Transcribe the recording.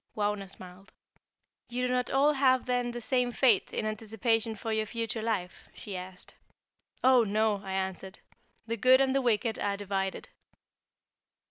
Wauna smiled. "You do not all have then the same fate in anticipation for your future life?" she asked. "Oh, no!" I answered. "The good and the wicked are divided."